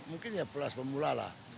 mungkin ya kelas pemula lah